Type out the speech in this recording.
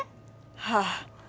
はあ。